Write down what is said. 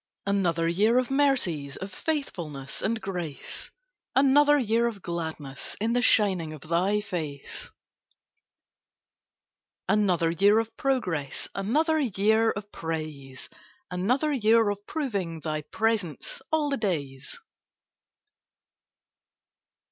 Another year of mercies, Of faithfulness and grace; Another year of gladness In the shining of Thy face. Another year of progress, Another year of praise; Another year of proving Thy presence 'all the days.'